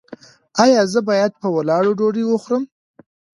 ایا زه باید په ولاړه ډوډۍ وخورم؟